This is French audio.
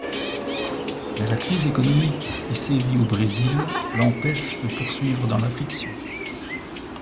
Mais la crise économique qui sévit au Brésil l'empêche de poursuivre dans la fiction.